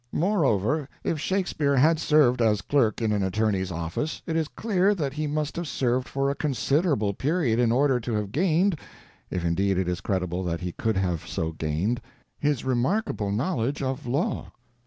Moreover, if Shakespeare had served as clerk in an attorney's office it is clear that he must have so served for a considerable period in order to have gained (if, indeed, it is credible that he could have so gained) his remarkable knowledge of the law.